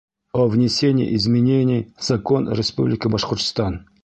О внесении изменений в Закон Республики Башкортостан